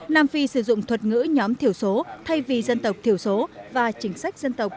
nam phi sử dụng thuật ngữ nhóm thiểu số thay vì dân tộc thiểu số và chính sách dân tộc